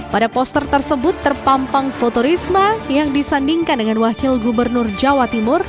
pada poster tersebut terpampang foto risma yang disandingkan dengan wakil gubernur jawa timur